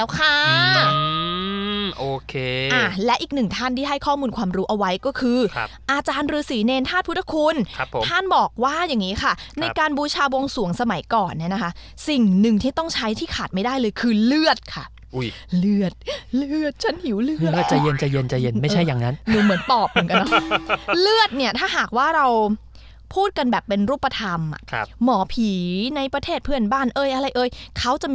ก็คือครับอาจารย์ฤษีเนรทาสพุทธคุณครับผมท่านบอกว่าอย่างงี้ค่ะครับในการบูชาบวงสวงสมัยก่อนเนี่ยนะคะสิ่งหนึ่งที่ต้องใช้ที่ขาดไม่ได้เลยคือเลือดค่ะอุ้ยเลือดเลือดฉันหิวเลือดเลือดใจเย็นใจเย็นใจเย็นไม่ใช่อย่างนั้นหนูเหมือนตอบเหมือนกันเนอะเลือดเนี่ยถ้าห